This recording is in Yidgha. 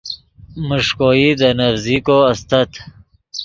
میݰکوئی دے نڤزیکو استت